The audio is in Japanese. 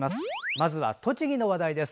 まずは、栃木の話題です。